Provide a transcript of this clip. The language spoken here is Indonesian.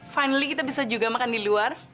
finaly kita bisa juga makan di luar